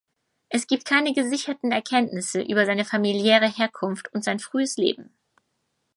Es gibt keine gesicherten Erkenntnisse über seine familiäre Herkunft und sein frühes Leben.